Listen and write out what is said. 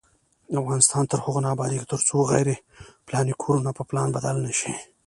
افغانستان تر هغو نه ابادیږي، ترڅو غیر پلاني کورونه په پلان بدل نشي.